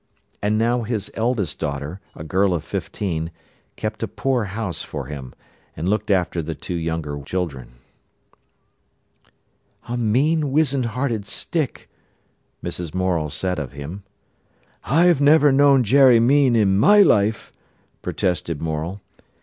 And now his eldest daughter, a girl of fifteen, kept a poor house for him, and looked after the two younger children. "A mean, wizzen hearted stick!" Mrs. Morel said of him. "I've never known Jerry mean in my life," protested Morel.